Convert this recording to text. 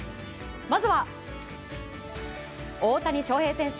まずは大谷翔平選手。